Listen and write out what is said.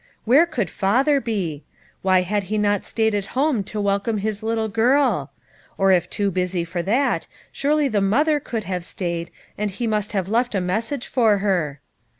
Where could father be? Why had he not stayed at home to welcome his little girl? or if too busy for that, surely the mother could have stayed, and he must have left a message for her.